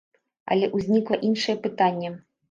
Але ўзнікла іншае пытанне.